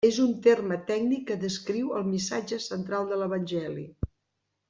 És un terme tècnic que descriu el missatge central de l'Evangeli: